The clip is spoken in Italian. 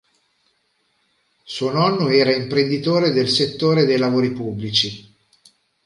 Suo nonno era un imprenditore del settore dei lavori pubblici.